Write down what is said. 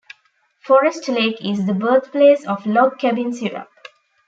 Forest Lake is the birthplace of Log Cabin Syrup.